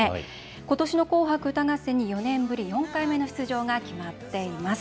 ことしの紅白歌合戦に４年ぶり、４回目の出場が決まっています。